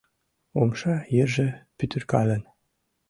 Умша йырже пӱтыркален